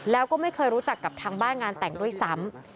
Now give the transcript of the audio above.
แล้วก็ไม่เคยรู้จักกับทางบ้านงานแต่งด้วยซ้ำ